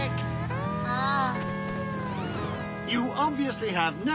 ああ。